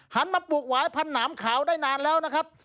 หันมาปลูกหวายพันหนามขาวได้นานแล้วนะครับ